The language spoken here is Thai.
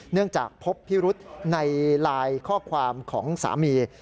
เนื่องจากพบพิรุธในลายข้อความของสามี